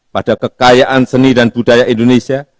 pada kekayaan seni dan budaya indonesia